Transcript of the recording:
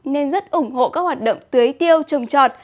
nên rất ủng hộ các hoạt động tưới tiêu trồng trọt